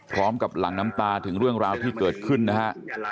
หลังน้ำตาถึงเรื่องราวที่เกิดขึ้นนะฮะ